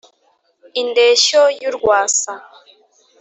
i ndeshyo y'urwasa: